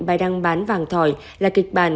bài đăng bán vàng thỏi là kịch bản